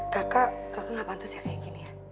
kakak kakak gak pantas ya kayak gini ya